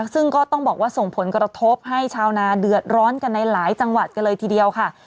ซึ่งก็ต้องบอกว่าส่งผลกระทบให้ชาวนาเดือดร้อนกันในหลายจังหวัดกันเลยทีเดียวค่ะ